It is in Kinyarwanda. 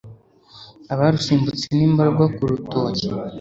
abarusimbutse ni imbarwa ku rutoke